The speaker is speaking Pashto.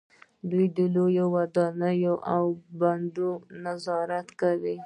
دوی د لویو ودانیو او بندونو نظارت کوي.